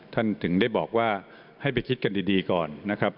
ถึงได้บอกว่าให้ไปคิดกันดีก่อนนะครับ